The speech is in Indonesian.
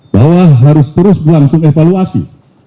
bahwa harus terus berlangsung evaluasi